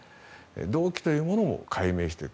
動機というものも解明していく。